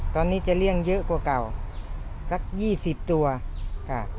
ตอนนี้จะเลี่ยงเยอะกว่าเก่าสัก๒๐ตัวค่ะ